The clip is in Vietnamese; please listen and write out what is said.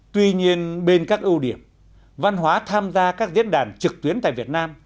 tuy nhiên bên các ưu điểm văn hóa tham gia các diễn đàn trực tuyến tại việt nam